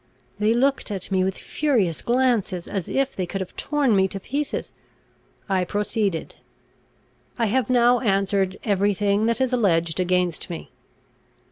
They looked at me with furious glances, as if they could have torn me to pieces. I proceeded: "I have now answered every thing that is alleged against me.